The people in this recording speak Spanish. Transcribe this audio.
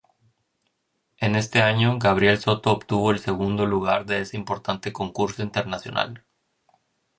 En este año, Gabriel Soto obtuvo el segundo lugar de ese importante concurso internacional.